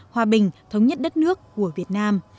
hòa bình thống nhất đất nước của việt nam